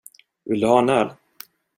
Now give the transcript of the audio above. Vill du ha en öl?